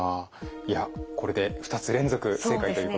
いやこれで２つ連続正解ということで。